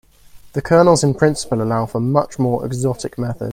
The kernels in principle allow for much more exotic methods.